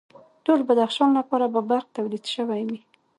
ټول بدخشان لپاره به برق تولید شوی و